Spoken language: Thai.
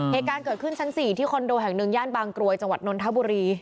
เหตุการณ์เกิดขึ้นชั้น๔ที่คอนโดแห่งหนึ่งย่านบางกรวยจังหวัดนนทบุรี